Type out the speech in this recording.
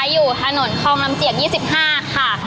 อยู่ถนนคลองลำเจียก๒๕ค่ะ